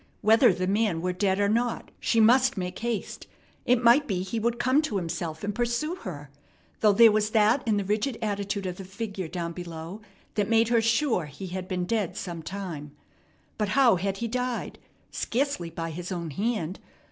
Whether the man were dead or not, she must make haste. It might be he would come to himself and pursue her, though there was that in the rigid attitude of the figure down below that made her sure he had been dead some time. But how had he died? Scarcely by his own hand.